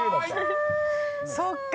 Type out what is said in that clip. そっか。